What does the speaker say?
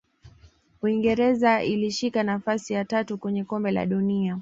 uingereza ilishika nafasi ya tatu kwenye kombe la dunia